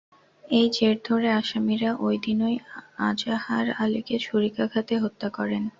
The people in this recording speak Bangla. এর জের ধরে আসামিরা ওই দিনই আজাহার আলীকে ছুরিকাঘাতে হত্যা করেন।